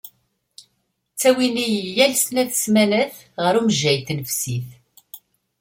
Ttawin-iyi yal snat n smanat ɣer umejjay n tnefsit.